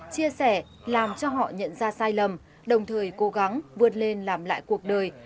chia sẻ làm cho họ nhận ra sai lầm đồng thời cố gắng vươn lên làm lại cuộc đời